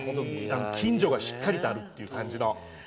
近所がしっかりとあるっていう感じの。